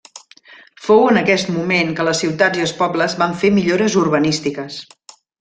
Fou en aquest moment que les ciutats i els pobles van fer millores urbanístiques.